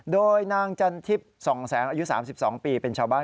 โดยนางจันทิพย์ส่องแสงอายุ๓๒ปีเป็นชาวบ้าน